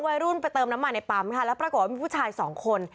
วัยรุ่นไปเติมน้ำมันในปั๊มค่ะแล้วปรากฏว่ามีผู้ชายสองคน